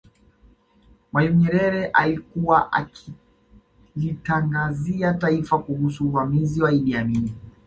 Mwalimu Nyerere alikuwa akilitangazia taifa kuhusu uvamizi wa Idi Amin